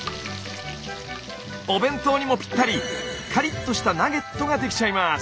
お弁当にもぴったりカリッとしたナゲットができちゃいます。